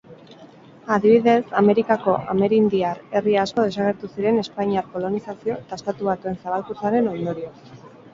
Adibidez, Amerikako amerindiar herri asko desagertu ziren espainiar kolonizazio eta Estatu Batuen zabalkuntzaren ondorioz.